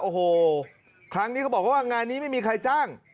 โอ้โหครั้งนี้เขาบอกว่างานนี้ไม่มีใครจ้าง